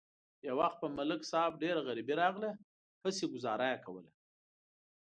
یو وخت په ملک صاحب ډېره غریبي راغله، هسې گذاره یې کوله.